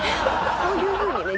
こういうふうにね